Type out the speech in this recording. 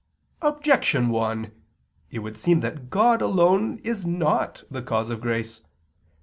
Objection 1: It would seem that God alone is not the cause of grace.